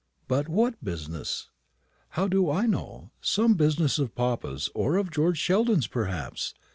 "But what business?" "How do I know? Some business of papa's, or of George Sheldon's, perhaps.